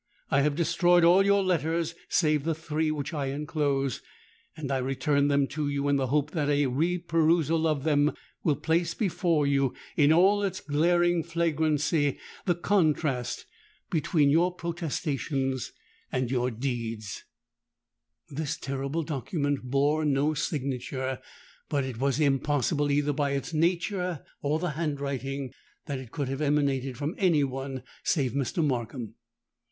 I have destroyed all your letters, save the three which I enclose; and I return them to you in the hope that a re perusal of them will place before you in all its glaring flagrancy the contrast between your protestations and your deeds. "This terrible document bore no signature: but it was impossible, either by its nature or the handwriting, that it could have emanated from any one save Mr. Markham.